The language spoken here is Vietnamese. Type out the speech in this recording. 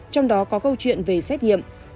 trong đó có câu chuyện về xét nghiệm